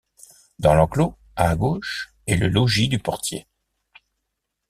Dans l'enclos, à gauche est le logis du portier.